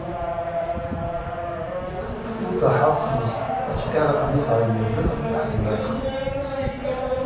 Птӏу дгӏахӏапхъаныстӏ, ачвкъьара ъаныз гӏаййырдырын дхӏызнайхтӏ.